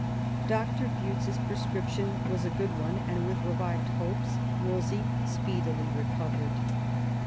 Doctor Buttes's prescription was a good one, and with revived hopes Wolsey speedily recovered.